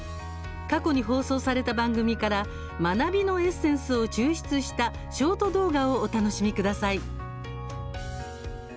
過去に放送された番組から学びのエッセンスを抽出したショート動画をお楽しみください。